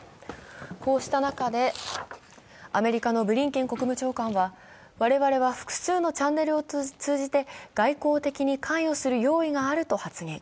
こうした中で、アメリカのブリンケン国務長官は我々は複数のチャンネルを通じて外交的に関与する用意があると発言。